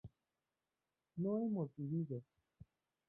no hemos vivido